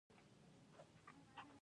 د اچ آی وي دفاعي نظام کمزوری کوي.